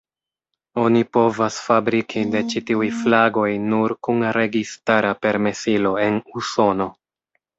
Oni povas fabriki de ĉi tiuj flagoj nur kun registara permesilo en Usono.